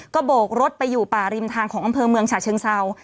ก็โบกรถไปอยู่ป่าริมทางของอำเภอเมืองฉะเชิงเศร้า